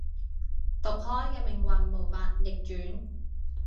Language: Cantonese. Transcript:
毒開嘅命運無法逆轉